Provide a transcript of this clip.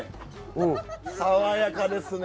爽やかですね。